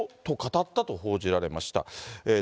と語ったと報じられました。